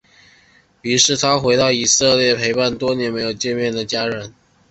于是他回到以色列陪伴多年没有见面的家人。